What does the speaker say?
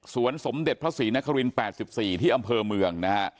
สมเด็จพระศรีนคริน๘๔ที่อำเภอเมืองนะฮะ